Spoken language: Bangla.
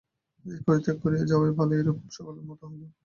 এ দেশ পরিত্যাগ করিয়া যাওয়াই ভালো, এইরূপ সকলের মত হইল।